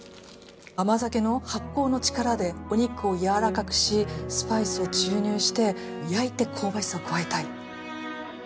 甘酒の発酵の力でお肉をやわらかくしスパイスを注入して焼いて香ばしさを加えたい。